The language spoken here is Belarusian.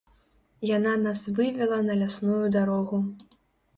Яна нас вывела на лясную дарогу.